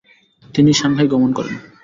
তিনি সাংহাই গমন করেন।